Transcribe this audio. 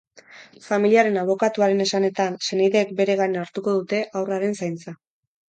Familiaren abokatuaren esanetan, senideek bere gain hartuko dute haurraren zaintza.